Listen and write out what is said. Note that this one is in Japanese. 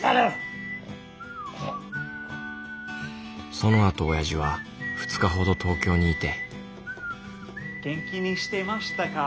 そのあとおやじは２日ほど東京にいて「元気にしてましたか？」はハウハブユービーン？